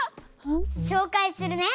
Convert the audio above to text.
しょうかいするね。